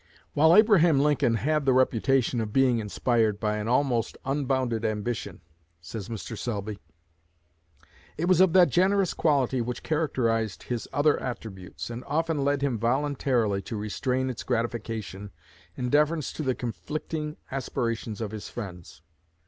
"While Abraham Lincoln had the reputation of being inspired by an almost unbounded ambition," says Mr. Selby, "it was of that generous quality which characterized his other attributes, and often led him voluntarily to restrain its gratification in deference to the conflicting aspirations of his friends.